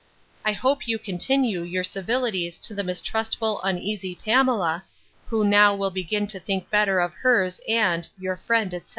I hope you continue your civilities to the mistrustful, uneasy Pamela, who now will begin to think better of hers and 'Your friend, etc.